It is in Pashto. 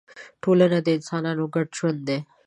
ټولنه د انسانانو ګډ ژوند دی.